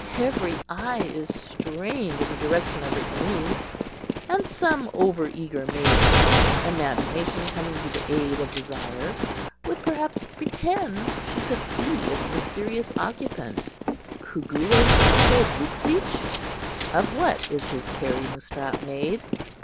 Every eye is strained in the direction of the canoe, and some over eager maiden—imagination coming to the aid of desire—would perhaps pretend she could see its mysterious occupant. "Coo goo way wisko book sich?" (Of what is his carrying strap made?)